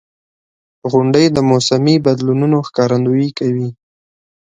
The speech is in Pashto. • غونډۍ د موسمي بدلونونو ښکارندویي کوي.